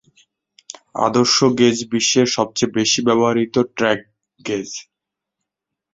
আদর্শ গেজ বিশ্বের সবচেয়ে বেশি ব্যবহৃত ট্র্যাক গেজ।